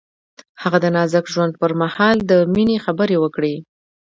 هغه د نازک ژوند پر مهال د مینې خبرې وکړې.